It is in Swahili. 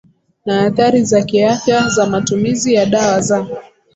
na athari za kiafya za matumizi ya dawa za